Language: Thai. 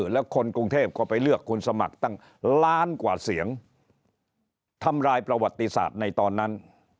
แล้วคนกรุงเทพก็ไปเลือกคุณสมัครตั้งล้านกว่าเสียงทำลายประวัติศาสตร์ในตอนนั้น